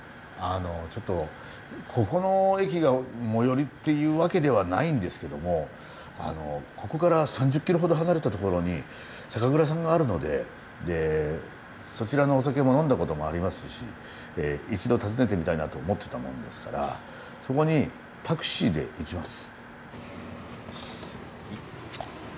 ちょっとここの駅が最寄りっていうわけではないんですけどもあのここから３０キロほど離れた所に酒蔵さんがあるのでそちらのお酒も呑んだこともありますし一度訪ねてみたいなと思ってたもんですからそこにタクシーで行きます。